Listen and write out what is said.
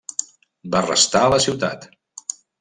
Va restar a la ciutat.